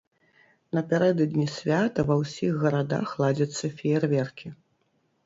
Напярэдадні свята ва ўсіх гарадах ладзяцца феерверкі.